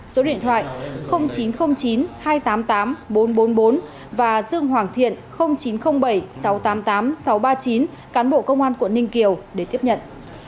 số điện thoại chín trăm linh chín hai trăm tám mươi tám bốn trăm bốn mươi bốn và dương hoàng thiện chín trăm linh bảy sáu trăm tám mươi tám sáu trăm ba mươi chín cán bộ công an quận ninh kiều để tiếp nhận